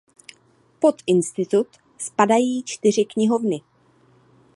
Pod Institut spadají čtyři knihovny.